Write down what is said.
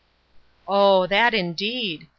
" Oh, that indeed !